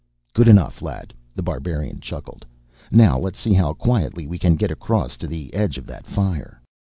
"Good enough, lad," The Barbarian chuckled. "Now let's see how quietly we can get across to the edge of that fire."